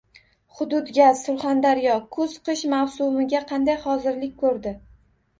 “Hududgaz Surxondaryo” kuz-qish mavsumiga qanday hozirlik ko‘rdi?